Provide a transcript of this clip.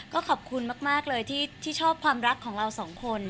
ก็ขอบคุณมากเลยที่ชอบความรักของเราสองคน